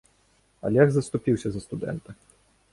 Алег заступіўся за студэнта.